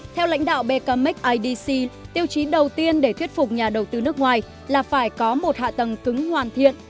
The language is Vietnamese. theo lãnh đạo becamec idc tiêu chí đầu tiên để thuyết phục nhà đầu tư nước ngoài là phải có một hạ tầng cứng hoàn thiện